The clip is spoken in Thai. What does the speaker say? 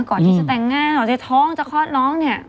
ก่อนที่จะแต่งงานก่อนจะท้องจะคลอดน้องเนี่ย